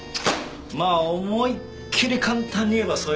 まあ思いっきり簡単に言えばそういう事だな。